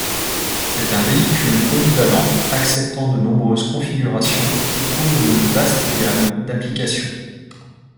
C'est un véhicule polyvalent acceptant de nombreuses configurations qui couvrent une vaste gamme d'applications.